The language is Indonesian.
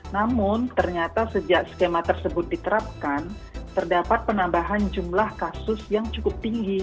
namun ternyata sejak skema tersebut diterapkan terdapat penambahan jumlah kasus yang cukup tinggi